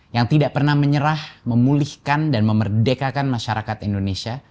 yang tidak pernah menyerah memulihkan dan memerdekakan masyarakat indonesia